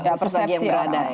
ya persepsi orang